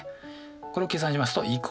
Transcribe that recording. これも計算しますと＝